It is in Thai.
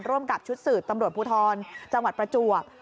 ร่วมกับชุดสืบตำรวจภูทรจังหวัดประจวบ